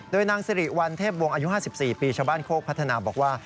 โดยนางสิริวัลเทพวงศ์อายุ๕๔ปีชาวบ้านโคกพัฒนาบอกว่า